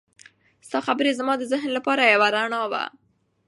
ستا خبرې زما د ذهن لپاره یو رڼا وه.